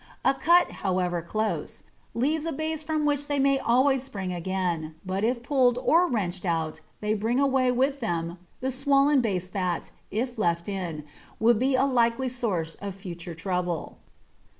A cut, however close, leaves a base from which they may always spring again, but if pulled or wrenched out they bring away with them the swollen base that, if left in, would be a likely source of future trouble.